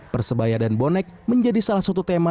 persebaya dan bonek menjadi salah satu tema